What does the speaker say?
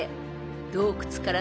［洞窟から］